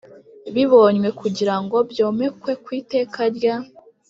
Bibonywe kugira ngo byomekwe ku Iteka rya